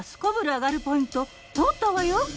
アガるポイント通ったわよ。